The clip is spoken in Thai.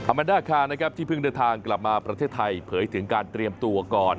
มันดาคานะครับที่เพิ่งเดินทางกลับมาประเทศไทยเผยถึงการเตรียมตัวก่อน